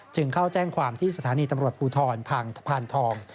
เข้าแจ้งความที่สถานีตำรวจภูทรพานทอง